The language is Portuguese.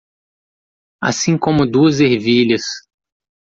Assim como duas ervilhas